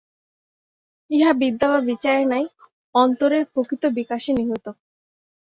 ইহা বিদ্যা বা বিচারে নাই, অন্তরের প্রকৃত বিকাশে নিহিত।